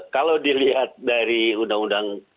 kalau dilihat dari undang undang